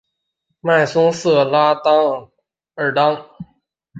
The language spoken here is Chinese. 迈松瑟莱拉茹尔当。